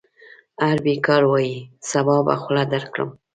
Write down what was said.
هر بېګا وايي: صبا به خوله درکړم.